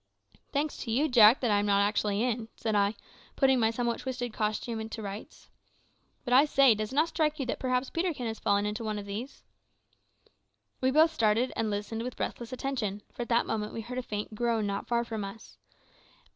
"Thanks to you, Jack, that I am not actually in," said I, putting my somewhat twisted costume to rights. "But, I say, does it not strike you that perhaps Peterkin has fallen into one of these?" We both started and listened with breathless attention, for at that moment we heard a faint groan not far from us.